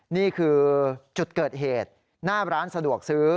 นี่คือจุดเกิดเหตุหน้าร้านสะดวกซื้อ